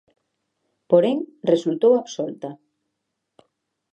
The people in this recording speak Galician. Porén, resultou absolta.